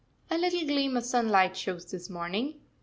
A little gleam of sunlight shows this morning.